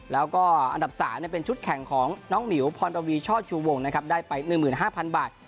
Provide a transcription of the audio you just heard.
แล้วก็อันดับ๓เป็นชุดแข่งของน้องหมิวพรปวีช่อชูวงนะครับได้ไป๑๕๐๐๐บาท